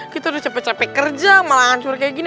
kita udah capek capek kerja malah hancur kayak gini